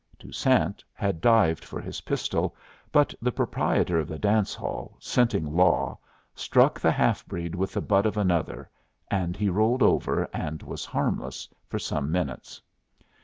Toussaint had dived for his pistol, but the proprietor of the dance hall, scenting law, struck the half breed with the butt of another, and he rolled over, and was harmless for some minutes.